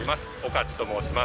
岡地と申します。